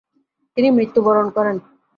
তিনি মৃত্যুবরণ করেন ।